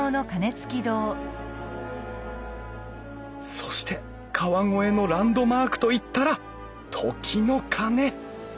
そして川越のランドマークといったら時の鐘